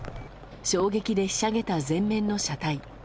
衝撃でひしゃげた前面の車体。